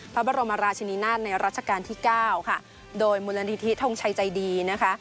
พระบรมราชินินาศในรัชกาลที่เก้าค่ะโดยมูลนิธิทงชัยใจดีนะคะ